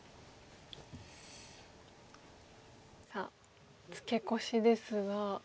さあツケコシですが。